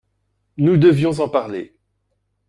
Nous devions en parler.